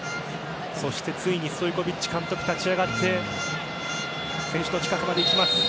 そしてついにストイコヴィッチ監督が立ち上がって、選手の近くまで行った。